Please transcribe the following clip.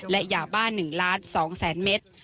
และยาบ้าน๑๒๐๐๐๐๐เมตร